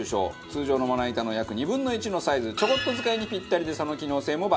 通常のまな板の約２分の１のサイズでちょこっと使いにピッタリでその機能性も抜群。